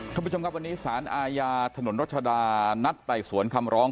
คุณผู้ชมครับวันนี้สารอาญาถนนรัชดานัดไต่สวนคำร้อง